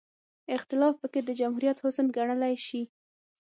اختلاف پکې د جمهوریت حسن ګڼلی شي.